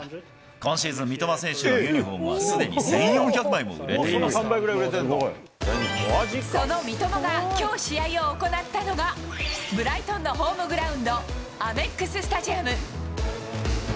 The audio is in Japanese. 今シーズン、三笘選手のユニホームはすでに１４００枚も売れていその三笘がきょう試合を行ったのが、ブライトンのホームグラウンド、ＡＭＥＸスタジアム。